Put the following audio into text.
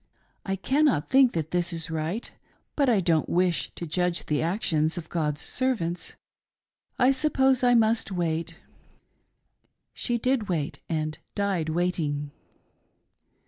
I cannot think that this is right, but I don't wish to judge the actions of God's servants. I suppose I must wait." She did wait, and died waiting.